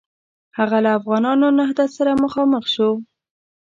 هغه له افغانانو نهضت سره مخامخ شو.